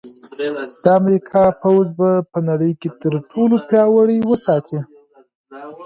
د امریکا پوځ به په نړۍ کې تر ټولو پیاوړی وساتي